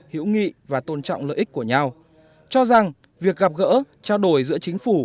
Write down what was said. hữu nghị và tôn trọng lợi ích của nhau cho rằng việc gặp gỡ trao đổi giữa chính phủ